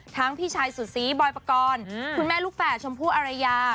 พี่ชายสุดซีบอยปกรณ์คุณแม่ลูกแฝดชมพู่อารยา